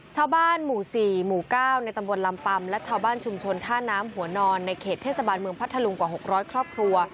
ชาวบ้านหมู่๔หมู่๙ในตำบลลำปัมและชาวบ้านชุมชนท่าน้ำหัวนอนในเขตเทศบาลเมืองพัทธลุงกว่า๖๐๐ครอบครัว